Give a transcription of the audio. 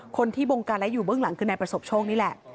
คนที่บงการและอยู่เบื้องหลังคือนายประสบโชคนี่แหละ